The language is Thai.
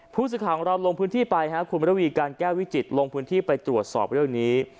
ผู้สื่อข่าวของเราลงพื้นที่ไปคุณมรวีการแก้ววิจิตรลงพื้นที่ไปตรวจสอบเรื่องนี้